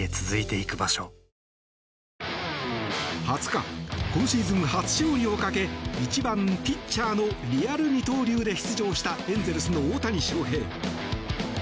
２０日今シーズン初勝利をかけ１番ピッチャーのリアル二刀流で出場したエンゼルスの大谷翔平。